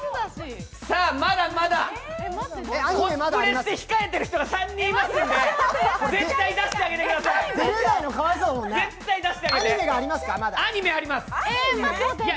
まだまだコスプレして控えている人が３人いますので、絶対出してあげてください！